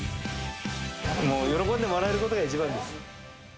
もう喜んでもらえることが一番です。